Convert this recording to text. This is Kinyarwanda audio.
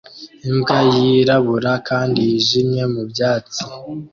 Imbwa yirabura kandi yijimye mubyatsi